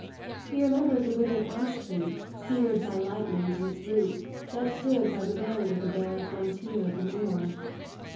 He remembered the withered ash tree, seared by lightning to its root, that stood by the road At the bare frontier of the moor.